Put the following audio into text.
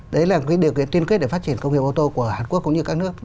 đấy là một điều kiện tuyên kết để phát triển công nghiệp ô tô của hàn quốc cũng như các nước